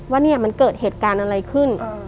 ว่าเนี่ยมันเกิดเหตุการณ์อะไรขึ้น